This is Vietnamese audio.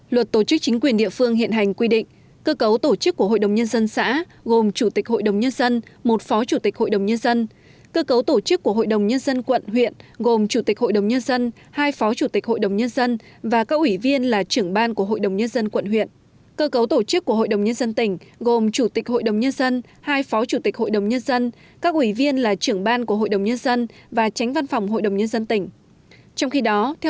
luật tổ chức chính quyền địa phương hiện hành quy định